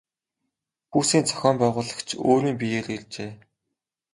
Пүүсийн зохион байгуулагч өөрийн биеэр иржээ.